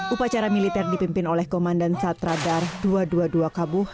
upacara militer dipimpin oleh komandan satradar dua ratus dua puluh dua kabuh